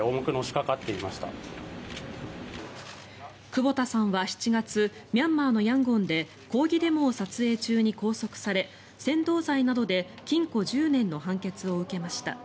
久保田さんは７月ミャンマーのヤンゴンで抗議デモを撮影中に拘束され扇動罪などで禁錮１０年の判決を受けました。